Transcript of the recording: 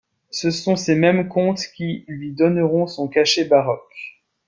Ce sont ces mêmes comtes qui lui donneront son cachet baroque.